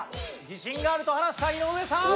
自信があると話した井上さん。